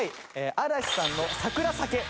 嵐さんの『サクラ咲ケ』です。